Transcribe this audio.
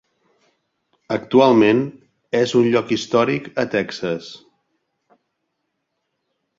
Actualment és un lloc històric a Texas.